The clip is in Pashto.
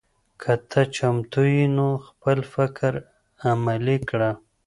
که ته چمتو یې نو خپل فکر عملي کړه.